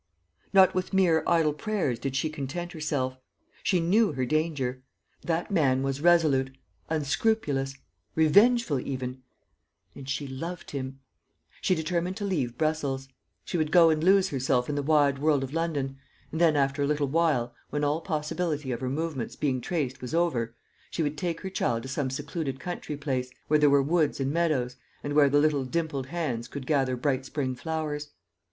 Not with mere idle prayers did she content herself. She knew her danger; that man was resolute, unscrupulous, revengeful even: and she loved him. She determined to leave Brussels. She would go and lose herself in the wide world of London; and then, after a little while, when all possibility of her movements being traced was over, she would take her child to some secluded country place, where there were woods and meadows, and where the little dimpled hands could gather bright spring flowers.